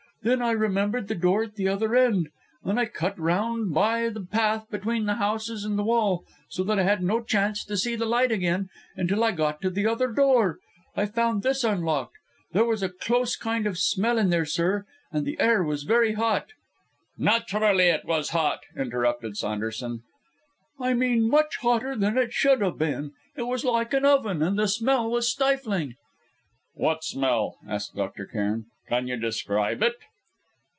Then I remembered the door at the other end, and I cut round by the path between the houses and the wall, so that I had no chance to see the light again, until I got to the other door. I found this unlocked. There was a close kind of smell in there, sir, and the air was very hot " "Naturally, it was hot," interrupted Saunderson. "I mean much hotter than it should have been. It was like an oven, and the smell was stifling " "What smell?" asked Dr. Cairn. "Can you describe it?"